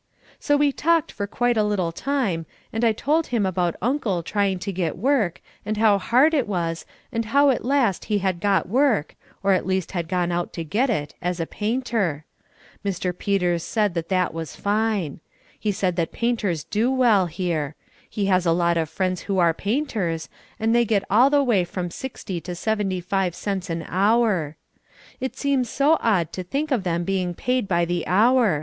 So we talked for quite a little time, and I told him about Uncle trying to get work and how hard it was and how at last he had got work, or at least had gone out to get it, as a painter. Mr. Peters said that that was fine. He said that painters do well here: he has a lot of friends who are painters and they get all the way from sixty to seventy five cents an hour. It seems so odd to think of them being paid by the hour.